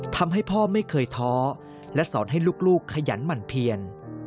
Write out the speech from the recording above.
ทำให้พ่อไม่เคยท้อและสอนให้ลูกขยันหมั่นเพียน